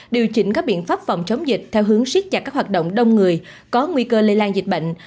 điều chỉnh các biện pháp phòng chống dịch theo hướng siết chặt các hoạt động đông người có nguy cơ lây lan dịch bệnh